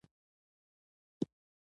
کله چي ناپوهان لوړ مقام ته ورسیږي